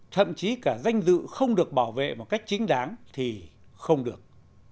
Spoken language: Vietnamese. thậm chí cả danh dự không được bảo vệ một cách chính đáng thì không được